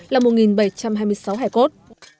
là một bảy trăm hai mươi sáu hài cốt